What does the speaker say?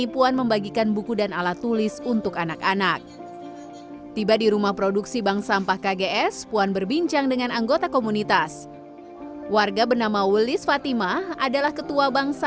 puan juga menyambangi rumah bumn yang beranggotakan seratus pelaku umkm palembang